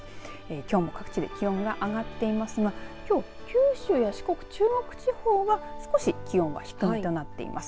きょうも各地で気温が上がってますがきょう、九州や四国、中国地方は少し気温は低めとなっています。